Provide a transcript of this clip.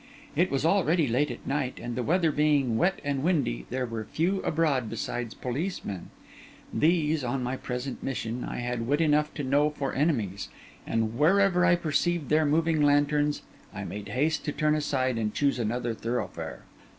It was already late at night, and the weather being wet and windy, there were few abroad besides policemen. These, on my present mission, I had wit enough to know for enemies; and wherever I perceived their moving lanterns, I made haste to turn aside and choose another thoroughfare.